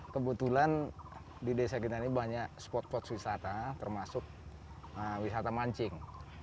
kebetulan di desa kita ini banyak spot spot wisata termasuk wisata mancing